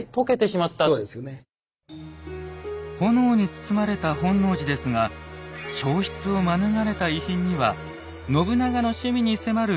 炎に包まれた本能寺ですが焼失を免れた遺品には信長の趣味に迫るヒントがあるといいます。